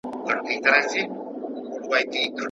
هغه له اورېدو وروسته موسک شو.